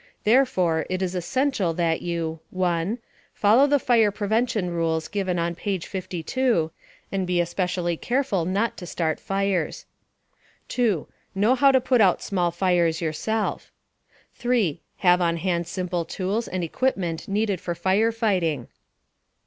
Therefore, it is essential that you: 1. Follow the fire prevention rules given on page 52, and be especially careful not to start fires. 2. Know how to put out small fires yourself. (See pages 52 54.) 3. Have on hand simple tools and equipment needed for fire fighting. (See page 43.)